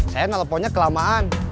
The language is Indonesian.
saya ngeleponnya kelamaan